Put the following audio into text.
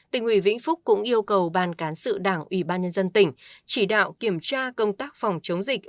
tình ủy vĩnh phúc cũng yêu cầu ban cán sự đảng ubnd tỉnh chỉ đạo kiểm tra công tác phòng chống dịch